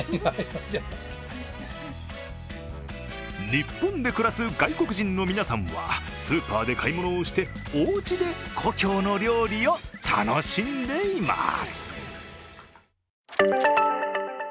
日本で暮らす外国人の皆さんはスーパーで買い物をしておうちで故郷の料理を楽しんでいます。